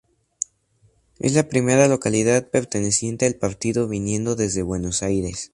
Es la primera localidad perteneciente al partido viniendo desde Buenos Aires.